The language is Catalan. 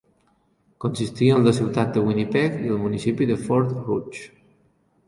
Consistia en la ciutat de Winnipeg i el municipi de Fort Rouge.